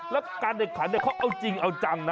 แล้วการแข่งขันเขาเอาจริงเอาจังนะ